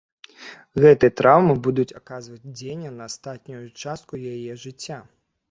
Гэтыя траўмы будуць аказваць дзеянне на астатнюю частку яе жыцця.